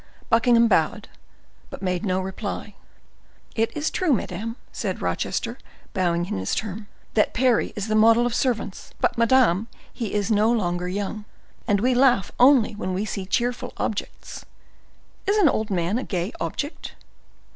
Buckingham bowed, but made no reply. "It is true, madam," said Rochester, bowing in his turn, "that Parry is the model of servants; but, madam, he is no longer young, and we laugh only when we see cheerful objects. Is an old man a gay object?"